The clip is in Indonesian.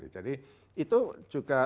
jadi itu juga